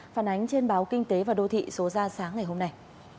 phản ánh trên báo kinh tế và đô thị số ra sáng ngày hôm nay